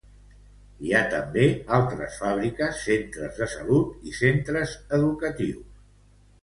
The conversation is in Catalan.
Hi ha també altres fàbriques, centres de salut i centres educatius.